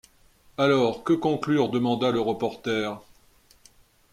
Alors que conclure demanda le reporter.